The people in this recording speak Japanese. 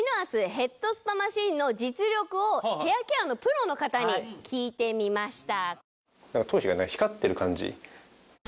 ヘッドスパマシンの実力をヘアケアのプロの方に聞いてみました。